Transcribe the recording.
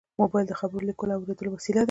موبایل د خبرو، لیکلو او اورېدو وسیله ده.